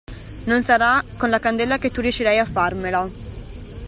Non sarà con la candela che tu riuscirai a farmela!